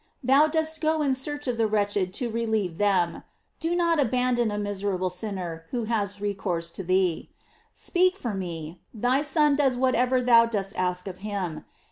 thou dost go in search of the wretched to relieve them; do not abandon a miserable sinner who has recourse to thee. Speak for me; thy Son does whatever thou dost ask of him.